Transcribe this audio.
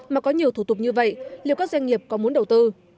mà có nhiều thủ tục như vậy liệu các doanh nghiệp có muốn đầu tư